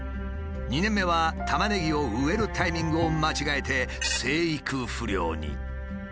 ２年目はタマネギを植えるタイミングを間違えて生育不良に。